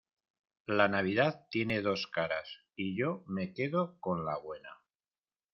la Navidad tiene dos caras y yo me quedo con la buena